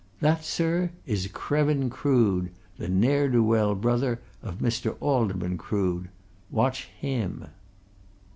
That, sir, is Krevin Crood, the ne'er do weel brother of Mr. Alderman Crood watch him!"